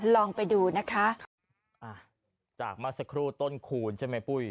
ลองไปดูนะคะอ่าจากเมื่อสักครู่ต้นคูณใช่ไหมปุ้ย